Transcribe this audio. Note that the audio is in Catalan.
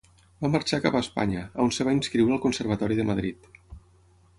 Va marxar cap a Espanya, on es va inscriure al Conservatori de Madrid.